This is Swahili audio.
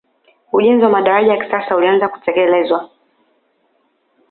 ujenzi wa madaraja ya kisasa ulianza kutekelezwa